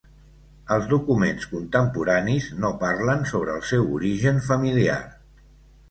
Els documents contemporanis no parlen sobre el seu origen familiar.